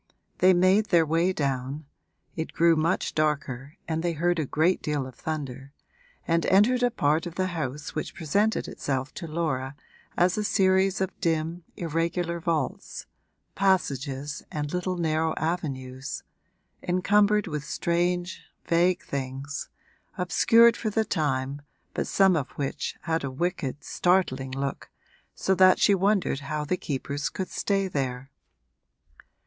They made their way down it grew much darker and they heard a great deal of thunder and entered a part of the house which presented itself to Laura as a series of dim, irregular vaults passages and little narrow avenues encumbered with strange vague things, obscured for the time but some of which had a wicked, startling look, so that she wondered how the keepers could stay there.